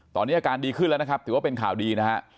ตอนนี้อาการดีขึ้นแล้วนะครับถือว่าเป็นข่าวดีนะฮะ